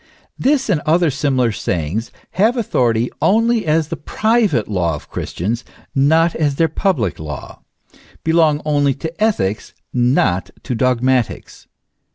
This and other similar sayings have authority only as the private law of Christians, not as their public law ; belong only to ethics, not to dogmatics.